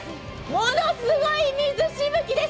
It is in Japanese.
ものすごい水しぶきです。